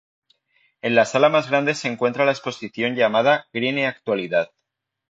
En la sala más grande se encuentra la exposición llamada "Grin e Actualidad"